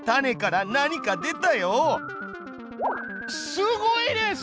すごいです！